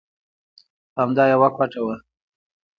همدا یوه کوټه وه.